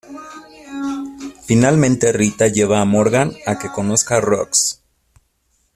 Finalmente Rita lleva a Morgan a que conozca a Rooks.